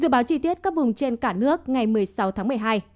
báo chi tiết cấp vùng trên cả nước ngày một mươi sáu tháng một mươi hai